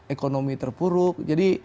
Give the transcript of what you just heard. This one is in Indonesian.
ekonomi terpuruk jadi